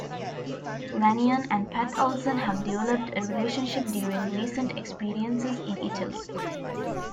Lanyon and Pat Olsen have developed a relationship during recent experiences in Italy.